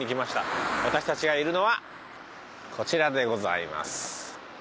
私たちがいるのはこちらでございます。